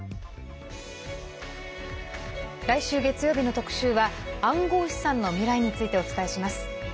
来週月曜日の特集は暗号資産の未来についてお伝えします。